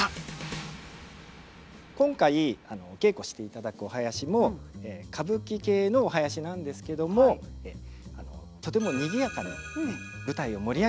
今回お稽古していただくお囃子も歌舞伎系のお囃子なんですけどもとても賑やかに舞台を盛り上げるっていうことがすごく大事なので。